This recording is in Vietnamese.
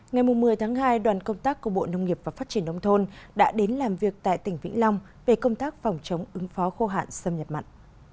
ngày một mươi tháng hai đoàn công tác của bộ nông nghiệp và phát triển nông thôn đã đến làm việc tại tỉnh vĩnh long về công tác phòng chống ứng phó khô hạn xâm nhập mặn